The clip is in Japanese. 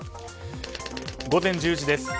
午前１０時です。